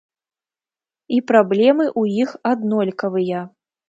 І праблемы ў іх аднолькавыя.